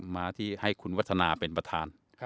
มาที่ให้คุณวัฒนาเป็นประธาน